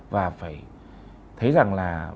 và phải thấy rằng là